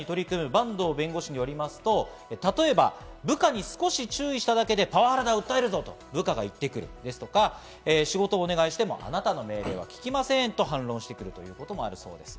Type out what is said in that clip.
ハラスメント問題に取り組む坂東弁護士によりますと、例えば部下に少し注意しただけでパワハラで訴えると言ってくるとか、仕事をお願いしてもあなたの命令は聞きませんと反論してくることもあるそうです。